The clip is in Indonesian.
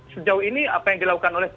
sejauh ini apa yang dilakukan oleh